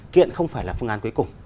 kiện không phải là phương án cuối cùng